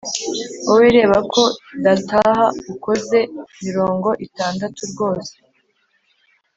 wowe reba ko dataha ukoze mirongo itandatu rwose